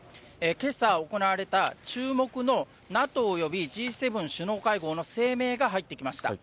けさ行われた注目のＮＡＴＯ及びＧ７首脳会合の声明文が入ってきました。